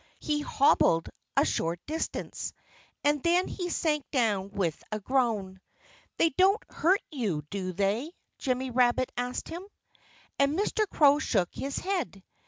He hobbled a short distance. And then he sank down with a groan. "They don't hurt you, do they?" Jimmy Rabbit asked him. And Mr. Crow shook his head.